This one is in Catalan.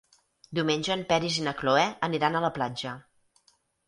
Diumenge en Peris i na Cloè aniran a la platja.